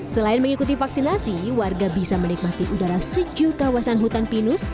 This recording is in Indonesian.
selain mengikuti vaksinasi warga bisa menikmati udara sejuk kawasan hutan pinus